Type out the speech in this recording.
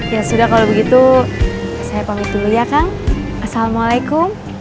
ya sudah kalau begitu saya pamit dulu ya kang assalamualaikum